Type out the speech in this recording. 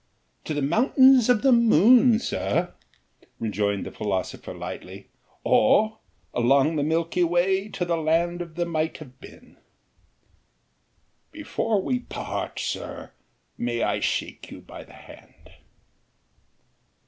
"To the mountains of the moon, sir," rejoined the philosopher lightly, "or along the milky way to the land of the Might Have Been." "Before we part, sir, may I shake you by the hand?"